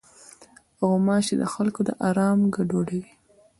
غوماشې د خلکو د آرام ګډوډوي.